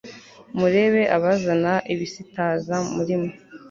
murebe abazana ibisitaza muri mwe